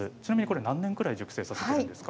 何年ぐらい熟成させているんですか。